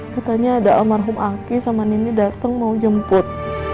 katanya ada almarhum aki sama nini datang mau jemput